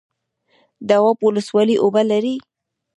دواب ولسوالۍ اوبه لري؟